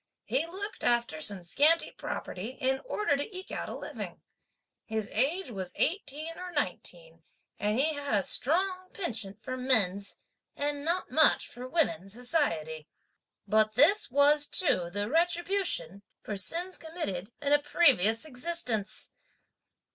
He looked after some scanty property in order to eke out a living. His age was eighteen or nineteen; and he had a strong penchant for men's, and not much for women's society. But this was too the retribution (for sins committed) in a previous existence!